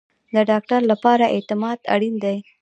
د ډاکټر لپاره اعتماد اړین دی